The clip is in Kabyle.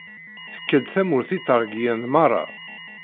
Tekka-d tamurt Itergiyen merra.